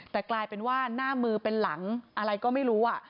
แต่กลายเป็นว่าหน้ามือเป็นหลังอะไรก็ไม่รู้